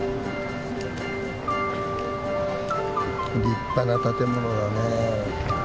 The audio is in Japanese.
立派な建物だねえ。